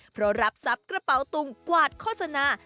เพราะรับทรัพย์กระเป๋าตุงกวาดโฆษณา